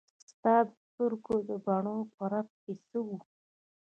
ستا د سترګو د بڼو په رپ کې څه وو.